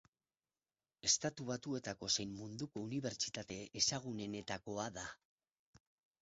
Estatu Batuetako zein munduko unibertsitate ezagunenetakoa da.